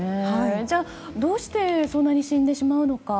じゃあ、どうしてそんなに死んでしまうのか。